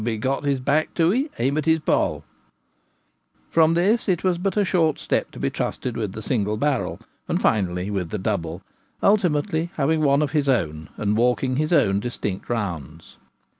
be got his back to Snap Shooting. 3 1 'ee aim at his poll/ From this it was but a short step to be trusted with the single barrel, and finally with the double ; ultimately having one of his own and walking his own distinct rounds.